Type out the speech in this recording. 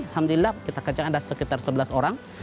alhamdulillah kita kerjakan ada sekitar sebelas orang